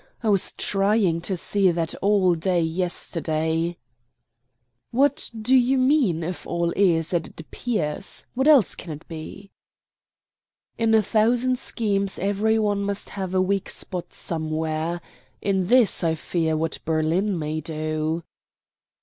I was trying to see that all day yesterday." "What do you mean 'if all is as it appears'? What else can it be?" "In a thousand schemes every one must have a weak spot somewhere. In this I fear what Berlin may do."